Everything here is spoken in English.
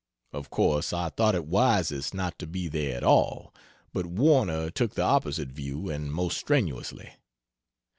Of course I thought it wisest not to be there at all; but Warner took the opposite view, and most strenuously.